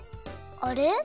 あれ？